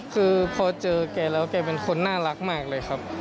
คือพอเจอแกแล้วแกเป็นคนน่ารักมากเลยครับ